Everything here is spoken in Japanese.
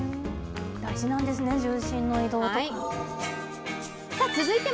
大事なんですね、重心の移動とかって。